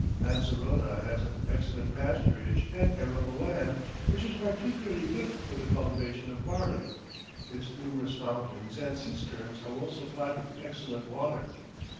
Lancerota has excellent pasturage, and arable land, which is particularly good for the cultivation of barley; its numerous fountains and cisterns are well supplied with excellent water.